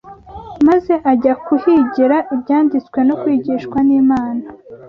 maze ajya kuhigira Ibyanditswe no kwigishwa n’Imana